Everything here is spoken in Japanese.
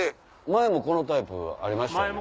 前もこのタイプありましたよね。